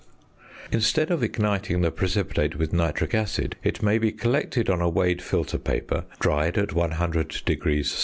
Instead of igniting the precipitate with nitric acid, it may be collected on a weighed filter paper, dried at 100° C.